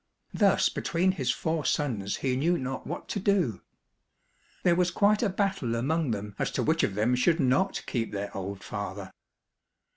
Thus between his four sons he knew not what to do. There was quite a battle among them as to which of them should not keep their old father.